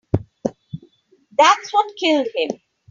That's what killed him.